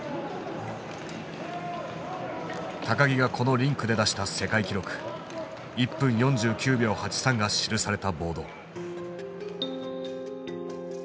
木がこのリンクで出した世界記録１分４９秒８３が記されたボード。